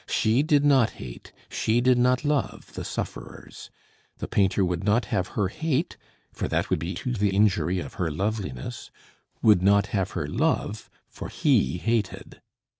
She did not hate, she did not love the sufferers: the painter would not have her hate, for that would be to the injury of her loveliness: would not have her love, for he hated.